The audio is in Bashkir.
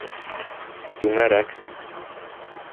Түңәрәк